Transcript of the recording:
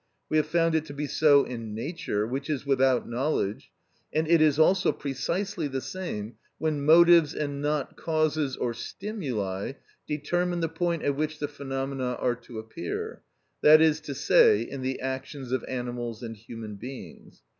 We have found it to be so in nature, which is without knowledge, and it is also precisely the same when motives and not causes or stimuli determine the point at which the phenomena are to appear, that is to say, in the actions of animals and human beings.